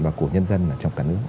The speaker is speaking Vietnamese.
và của nhân dân trong cả nước